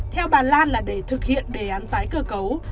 theo bà lan là để thực hiện đề án tái cơ cấu